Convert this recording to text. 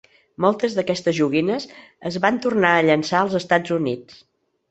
Moltes d'aquestes joguines es van tornar a llançar als Estats Units.